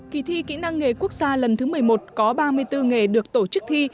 kỳ thi kỹ năng nghề quốc gia lần thứ một mươi một có ba mươi bốn nghề được tổ chức thi